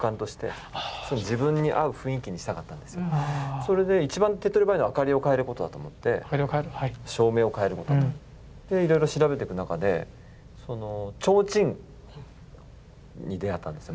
それで一番手っとり早いのがあかりを変えることだと思って照明を変えることだと。でいろいろ調べていく中で提灯に出会ったんですよ